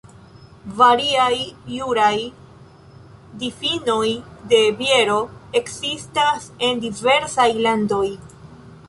Variaj juraj difinoj de biero ekzistas en diversaj landoj.